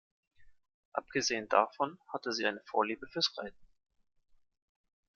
Abgesehen davon hatte sie eine Vorliebe fürs Reiten.